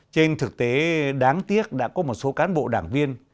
trên thực tế đáng tiếc đã có một số cán bộ đảng viên